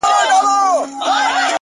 o خپه وې چي وړې ؛ وړې ؛وړې د فريادي وې؛